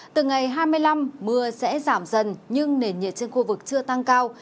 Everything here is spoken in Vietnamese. từ ngày hai mươi năm mưa sẽ giảm dần nhưng nền nhiệt trên khu vực chưa tăng cao